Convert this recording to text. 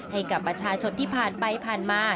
ให้กับประชาชนที่ผ่านไปผ่านมา